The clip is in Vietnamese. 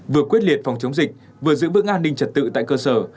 vừa quyết liệt phòng chống dịch vừa giữ vững an ninh trật tự tại cơ sở